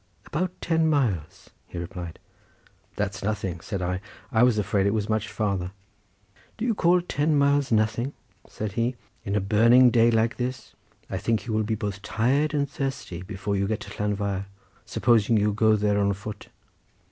"About ten miles," he replied. "That's nothing," said I; "I was afraid it was much farther." "Do you call ten miles nothing," said he, "in a burning day like this? I think you will be both tired and thirsty before you get to Llanfair, supposing you go there on foot.